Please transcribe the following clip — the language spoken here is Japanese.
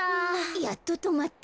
やっととまった。